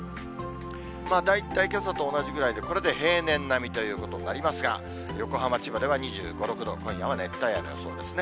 大体けさと同じぐらいでこれで平年並みということになりますが、横浜、千葉では２５、６度、今夜は熱帯夜の予想ですね。